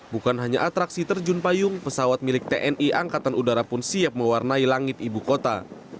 bukan hanya atraksi terjun payung pesawat milik tni angkatan udara pun siap mewarnai langit ibu kota